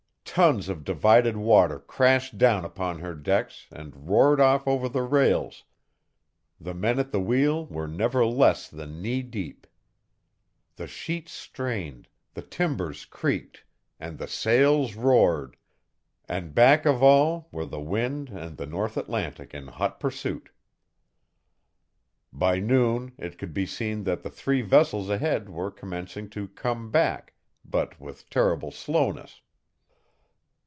Tons of divided water crashed down upon her decks and roared off over the rails, the men at the wheel were never less than knee deep. The sheets strained, the timbers creaked, and the sails roared, and back of all were the wind and the North Atlantic in hot pursuit. By noon it could be seen that the three vessels ahead were commencing to come back, but with terrible slowness.